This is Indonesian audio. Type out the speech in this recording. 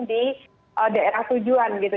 di daerah tujuan gitu